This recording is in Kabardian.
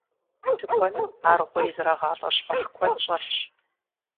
Тыкуэным аргъуей зэрагъалӏэ щхъухь куэд щӏэлъщ.